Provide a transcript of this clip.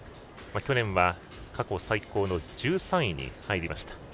去年は過去最高の１３位に入りました。